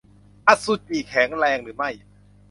อสุจิแข็งแรงหรือไม่